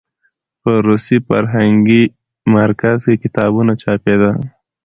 په روسي فرهنګي مرکز کې کتابونه چاپېدل.